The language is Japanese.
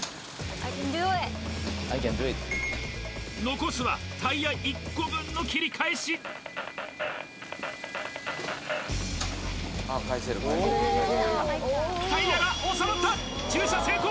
残すはタイヤ１個分の切り返しタイヤが収まった駐車成功！